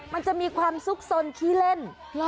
มันจะมีความสุขสนขี้เล่น